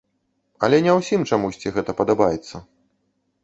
Але не ўсім чамусьці гэта падабаецца.